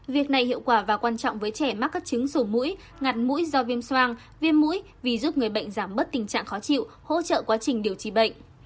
việc này hiệu quả và quan trọng với trẻ mắc các chứng sổ mũi nhặt mũi do viêm soang viêm mũi vì giúp người bệnh giảm bớt tình trạng khó chịu hỗ trợ quá trình điều trị bệnh